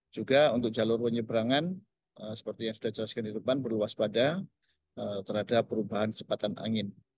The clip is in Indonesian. juga untuk jalur penyeberangan seperti yang sudah jelaskan di depan perlu waspada terhadap perubahan cepatan angin